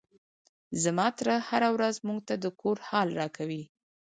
زما تره هره ورځ موږ ته د کور حال راکوي.